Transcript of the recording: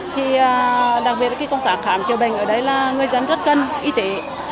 thì đặc biệt là cái công tạp khám chữa bệnh ở đây là người dân rất cần y tế